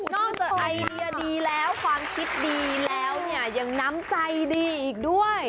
ความคิดดีแล้วความไอเดียดีแล้วความคิดดีแล้วเนี่ยยังน้ำใจดีอีกด้วย